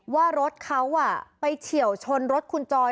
ว่ารถเขาไปเฉียวชนรถคุณจอย